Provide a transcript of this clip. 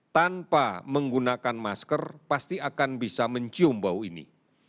tanpa menggunakan masker pasti akan bisa mencium bau ini